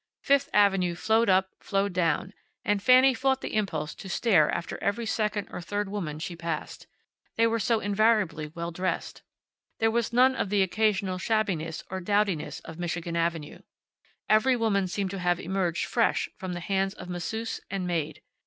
Fifth avenue flowed up, flowed down, and Fanny fought the impulse to stare after every second or third woman she passed. They were so invariably well dressed. There was none of the occasional shabbiness or dowdiness of Michigan Avenue. Every woman seemed to have emerged fresh from the hands of masseuse and maid.